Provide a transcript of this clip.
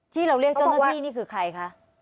ที่เราเรียกเจ้าหน้าที่นี่คือใครคะ